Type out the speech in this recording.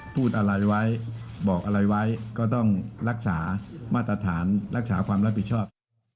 พูดอะไรไว้บอกอะไรไว้ก็ต้องรักษามาตรฐานรักษาความรับผิดชอบ